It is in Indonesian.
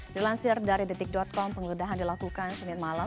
dilansir dari detik com penggeledahan dilakukan senin malam